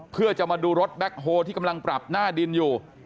เพื่อจะมาดูรถแบ็คโฮที่กำลังปรับหน้าดินอยู่